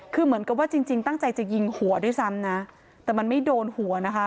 คือเหมือนกับว่าจริงจริงตั้งใจจะยิงหัวด้วยซ้ำนะแต่มันไม่โดนหัวนะคะ